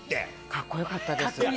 かっこよかったです。